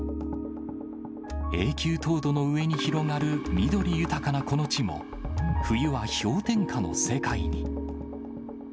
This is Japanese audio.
永久凍土の上に広がる緑豊かなこの地も、冬は氷点下の世界に。